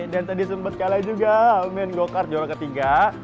dan tadi sempat kalah juga men go kart jualan ketiga